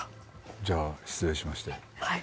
じゃあ失礼しまして。